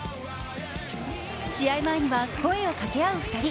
試合前には声を掛け合う２人。